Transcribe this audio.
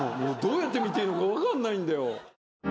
どうやって見ていいのか分かんないんだよ。